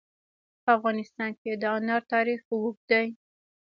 په افغانستان کې د انار تاریخ اوږد دی.